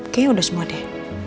kayaknya udah semua deh